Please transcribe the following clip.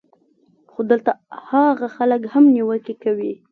خو دلته هاغه خلک هم نېوکې کوي